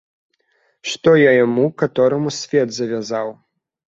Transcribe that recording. Што я яму катораму свет завязаў?